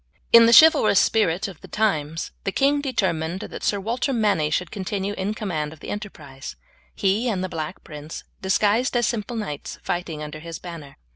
In the chivalrous spirit of the times the king determined that Sir Walter Manny should continue in command of the enterprise; he and the Black Prince, disguised as simple knights, fighting under his banner.